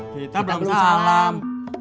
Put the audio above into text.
kita belum salam